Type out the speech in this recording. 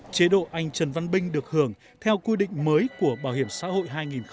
chế độ anh trần văn binh được hưởng theo quy định mới của bảo hiểm xã hội hai nghìn một mươi bốn